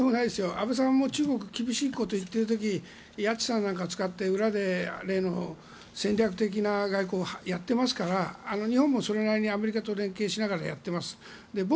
アメリカが中国も厳しいこと言ってるとき谷内さんなんかを使って裏で戦略的な外交をやっていますから日本もそれなりにアメリカと連携しながらやっています。